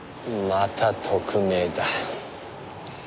また特命だ。